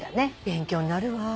勉強になるわ。